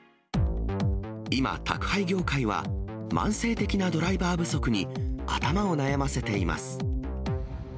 今、宅配業界は慢性的なドライバー不足に頭を悩ませています。